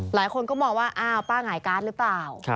หลายคนก็มองว่าอ้าวป้าหงายการ์ดหรือเปล่า